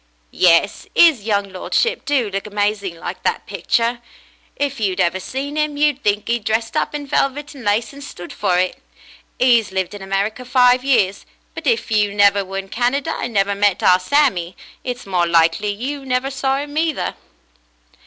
"Yes, 'is young lordship do look amazing like that pic ture. If you'd ever seen 'im, you'd think 'e'd dressed up in velvet and lace and stood for it. 'E's lived in America five years, but if you never were in Canada and never met our Sammy, it's more likely you never saw 'im either."